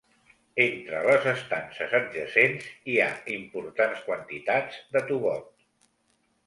Entre les estances adjacents hi ha importants quantitats de tovot.